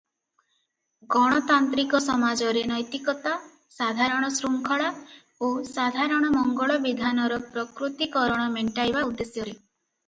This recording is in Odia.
ଗଣତାନ୍ତ୍ରିକ ସମାଜରେ ନୈତିକତା, ସାଧାରଣ ଶୃଙ୍ଖଳା ଓ ସାଧାରଣ ମଙ୍ଗଳ ବିଧାନର ପ୍ରକୃତି କରଣ ମେଣ୍ଟାଇବା ଉଦ୍ଦେଶ୍ୟରେ ।